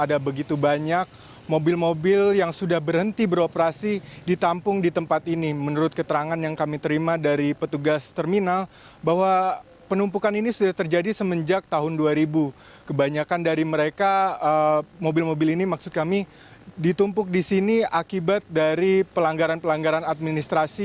ditumpuk di sini akibat dari pelanggaran pelanggaran administrasi